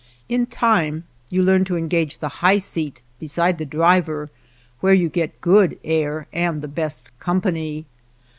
In time you learn to engage the / high seat beside the driver, where you get good air and the best company.